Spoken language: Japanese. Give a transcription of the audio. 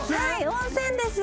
温泉です。